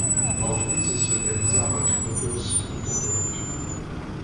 Auch dieses wird im Sabbatmodus unterdrückt.